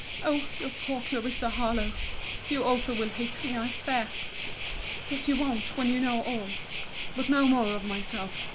—Oh! your poor Clarissa Harlowe! you also will hate me, I fear!—— Yet you won't, when you know all! But no more of my self!